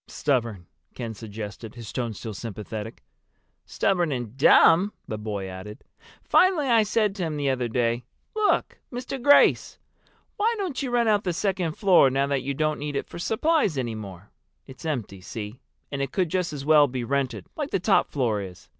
"Stubborn," Ken suggested, his tone still sympathetic. "Stubborn and dumb," the boy added. "Finally I said to him the other day, 'Look, Mr. Grace, why don't you rent out the second floor now that you don't need it for supplies any more?' It's empty, see? And it could just as well be rented, like the top floor is.